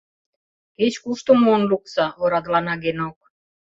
Кеч-кушто муын лукса, — орадылана Генок.